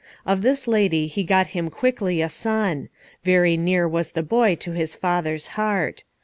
Of this lady he got him quickly a son; very near was the boy to his father's heart.